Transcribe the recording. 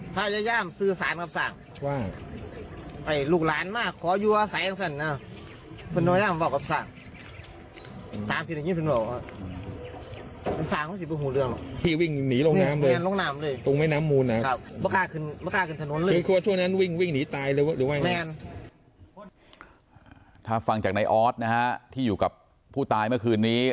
ถ้าฟังจากนายออสนะฮะที่อยู่กับผู้ตายเมื่อคืนนี้